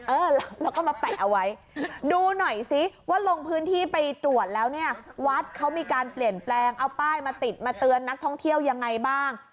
เออแล้วก็มาแปะเอาไว้ดูหน่อยซิว่าลงพื้นที่ไปตรวจแล้วเนี่ยวัดเขามีการเปลี่ยนแปลงเอาป้ายมาติดมาเตือนนักท่องเที่ยวยังไงบ้าง